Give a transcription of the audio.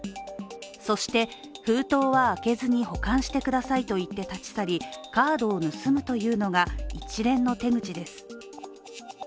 そして封筒は開けずに保管してくださいと言って立ち去り、カードを盗むというのが一連の手口です。